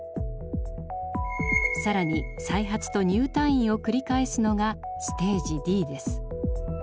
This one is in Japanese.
更に再発と入退院を繰り返すのがステージＤです。